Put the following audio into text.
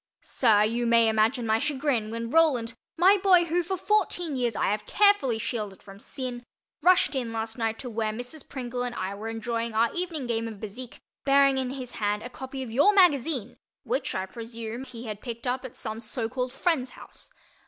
Sir, you may imagine my chagrin when my Roland—my boy who, for fourteen years, I have carefully shielded from sin—rushed in last night to where Mrs. Pringle and I were enjoying our evening game of Bézique, bearing in his hand a copy of your magazine which, I presume, he had picked up at some so called friend's house.